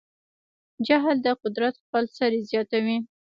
جهل د قدرت خپل سری زیاتوي.